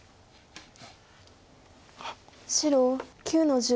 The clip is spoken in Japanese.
白９の十三。